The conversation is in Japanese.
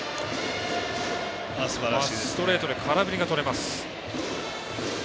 ストレートで空振りがとれます。